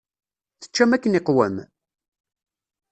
Teččam akken iqwem?